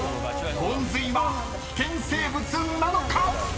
［ゴンズイは危険生物なのか⁉］